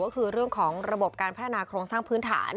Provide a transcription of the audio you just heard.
ก็คือเรื่องของระบบการพัฒนาโครงสร้างพื้นฐาน